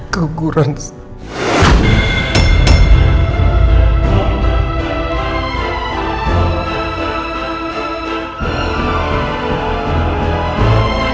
kamu keguguran elsa